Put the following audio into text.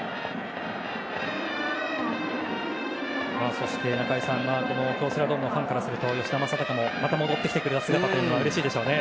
そして中居さん京セラドームのファンからすると吉田正尚もまた戻ってきてくれた姿はうれしいでしょうね。